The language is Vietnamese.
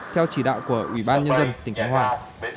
theo chỉ đạo của ủy ban nhân dân tỉnh đắk lắc